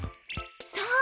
そう！